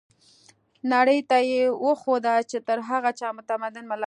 نړۍ ته يې وښوده چې تر هر چا متمدن ملت دی.